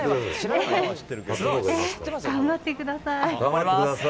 頑張ってください。